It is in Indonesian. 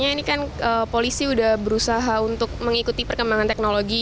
ini kan polisi sudah berusaha untuk mengikuti perkembangan teknologi